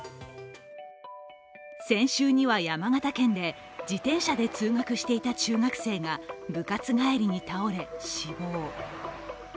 先週には山形県で自転車で通学していた中学生が部活帰りに倒れ、死亡。